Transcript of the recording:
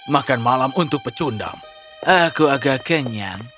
makan malam untuk pecundang aku agak kenyang